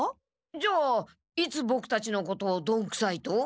じゃあいつボクたちのことをどんくさいと？